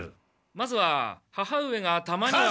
まずは母上がたまには。